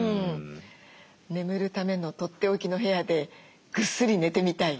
眠るためのとっておきの部屋でぐっすり寝てみたい。